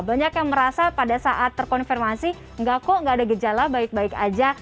banyak yang merasa pada saat terkonfirmasi enggak kok nggak ada gejala baik baik aja